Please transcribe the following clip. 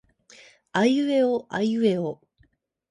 あいうえおあいうえお